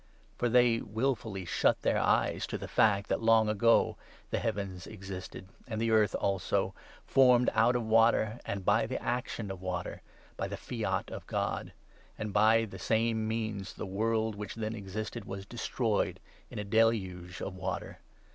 ' For they wilfully shut their 5 eyes to the fact that long ago the heavens existed ; and the earth, also — formed out of water and by the action of water, by the fiat of God ; and that by the same means the world which 6 then existed was destroyed in a deluge of water.